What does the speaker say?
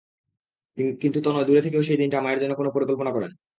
কিন্তু তনয় দূরে থেকেও সেই দিনটা মায়ের জন্য কোনো পরিকল্পনা করেন।